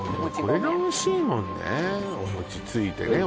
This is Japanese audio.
これがおいしいもんねお餅ついてね